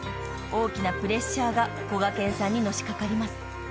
［大きなプレッシャーがこがけんさんにのしかかります］